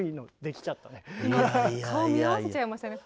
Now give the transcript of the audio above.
今顔を見合わせちゃいましたね。ね！